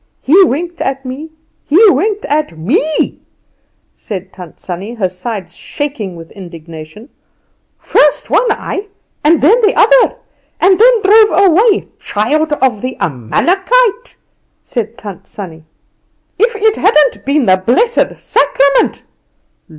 He winked at me; he winked at ME," said Tant Sannie, her sides shaking with indignation, "first with one eye, and then with the other, and then drove away. Child of the Amalekite!" said Tant Sannie, "if it hadn't been the blessed Sacrament.